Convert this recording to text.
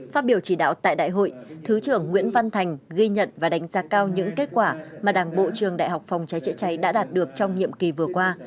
phát biểu chỉ đạo tại đại hội thứ trưởng nguyễn văn thành ghi nhận và đánh giá cao những kết quả mà đảng bộ trường đại học phòng cháy chữa cháy đã đạt được trong nhiệm kỳ vừa qua